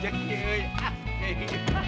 sekarang diambil dua duanya deh